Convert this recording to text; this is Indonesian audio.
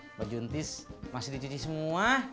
sampai juntis masih dicuci semua